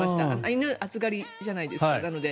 犬、暑がりじゃないですか。